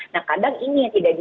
nah kadang ini yang tidak di